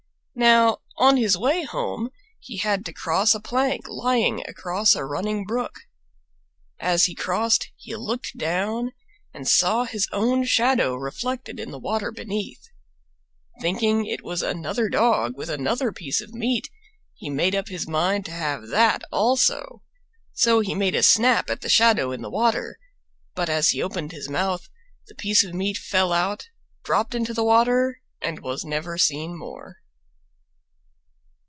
Now on his way home he had to cross a plank lying across a running brook. As he crossed, he looked down and saw his own shadow reflected in the water beneath. Thinking it was another dog with another piece of meat, he made up his mind to have that also. So he made a snap at the shadow in the water, but as he opened his mouth the piece of meat fell out, dropped into the water and was never seen more.